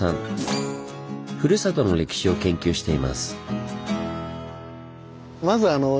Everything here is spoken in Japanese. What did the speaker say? ふるさとの歴史を研究しています。